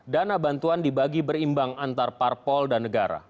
dana bantuan dibagi berimbang antar parpol dan negara